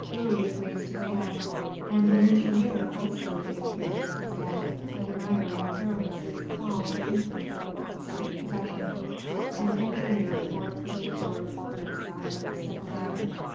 Louis raised his head. "And an engineer, also, it appears," he said, admiring Aramis's calm, imperturbable self possession. "An engineer for a particular purpose, sire," said the latter.